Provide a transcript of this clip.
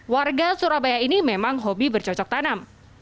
warga surabaya ini memang hobi bercocok tanam